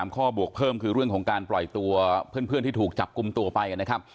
ข้อบวกเพิ่มคือเรื่องของการปล่อยตัวเพื่อนที่ถูกจับกลุ่มตัวไปนะครับ